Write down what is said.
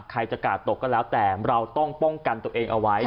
ใครจะกาดตกก็แล้วแต่เราต้องป้องกันตัวเองเอาไว้